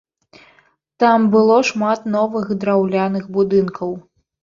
Там было шмат новых драўляных будынкаў.